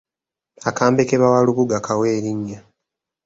Akambe ke bawa lubuga kawe erinnya.